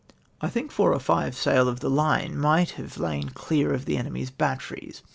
71 "I think /oh r or five sail of the line might have lain clear of the enemy's batteries.